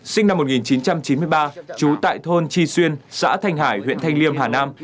sinh năm một nghìn chín trăm chín mươi ba trú tại thôn tri xuyên xã thanh hải huyện thanh liêm hà nam